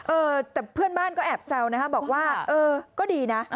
เออแต่เพื่อนบ้านก็แอบเซลนะครับบอกว่าก็ดีนะ